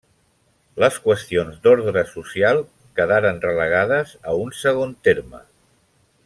Les qüestions d'ordre social quedaran relegades a un segon terme.